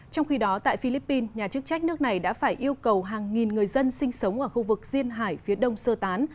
trong khi đó tại philippines nhà chức trách nước này đã phải yêu cầu hàng nghìn người dân sinh sống ở khu vực duyên hải phía đông sơ tán